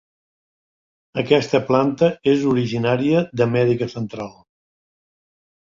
Aquesta planta és originària d'Amèrica Central.